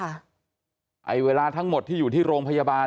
เวลาทั้งหมดที่อยู่ที่โรงพยาบาล